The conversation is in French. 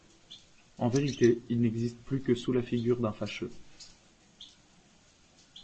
En vérité, il n'existe plus que sous la figure d'un fâcheux.